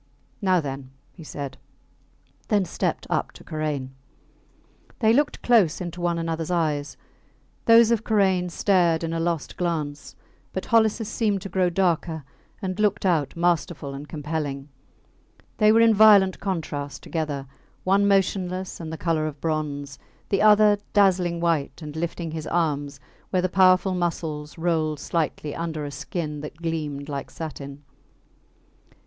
Now then, he said then stepped up to Karain. They looked close into one anothers eyes. Those of Karain stared in a lost glance, but Holliss seemed to grow darker and looked out masterful and compelling. They were in violent contrast together one motionless and the colour of bronze, the other dazzling white and lifting his arms, where the powerful muscles rolled slightly under a skin that gleamed like satin.